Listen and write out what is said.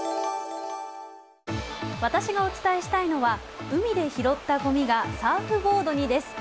私がお伝えしたいのは海で拾ったごみがサーフボードにです。